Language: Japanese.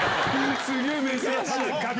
すげぇ珍しい！